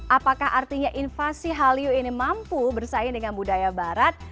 apakah artinya invasi hallyu ini mampu bersaing dengan budaya barat